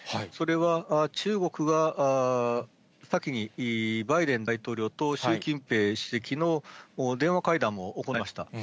それは中国が先にバイデン大統領と習近平主席の電話会談を行いました。